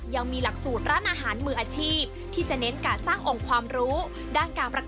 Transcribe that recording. ยังมีหลักสูตรร้านอาหารมืออาชีพ